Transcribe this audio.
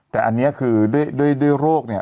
แต่อันนี้คือด้วยโรคเนี่ย